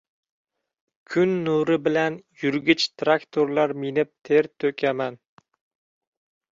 Kun nuri bilan yurgich traktorlar minib ter to‘kaman.